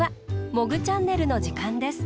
「モグチャンネル」のじかんです。